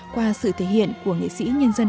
qua sự thể hiện của nghệ sĩ nhân dân